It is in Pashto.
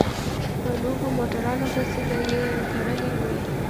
په لویو موټرانو پسې به يې تړلي وو.